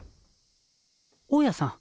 大家さん。